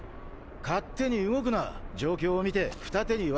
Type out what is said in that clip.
勝手に動くな状況を見て二手に分かれて。